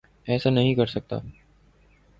ایسا نہیں کرسکتا